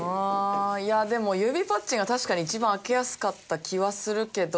でも指パッチンは確かに一番開けやすかった気はするけど。